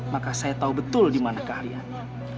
maka saya tahu betul dimana keahliannya